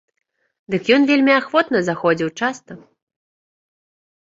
Дык ён вельмі ахвотна заходзіў часта.